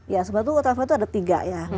ya sebenarnya ultraviolet itu ada tiga ya